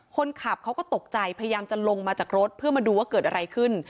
คนขับเขาก็ตกใจพยายามจะลงมาจากรถเพื่อมาดูว่าเกิดอะไรขึ้น